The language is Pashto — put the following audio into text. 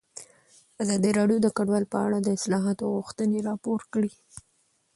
ازادي راډیو د کډوال په اړه د اصلاحاتو غوښتنې راپور کړې.